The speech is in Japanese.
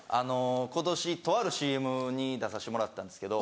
今年とあるＣＭに出させてもらったんですけど。